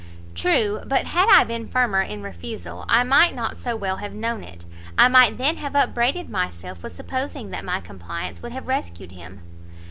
"True; but had I been firmer in refusal, I might not so well have known it; I might then have upbraided myself with supposing that my compliance would have rescued him."